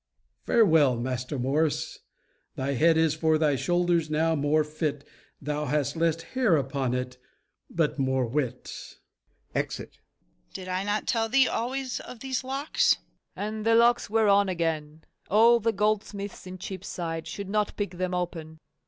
Farewell, Master Morris. Thy head is for thy shoulders now more fit; Thou hast less hair upon it, but more wit. [Exit.] MORRIS. Did not I tell thee always of these locks? FAULKNER. And the locks were on again, all the goldsmiths in Cheapside should not pick them open.